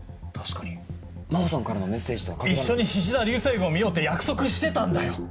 確かに真帆さんからのメッセージとは。一緒にしし座流星群を見ようって約束してたんだよ！